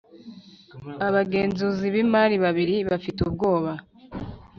Abagenzuzi b imari babiri bafite ubwoba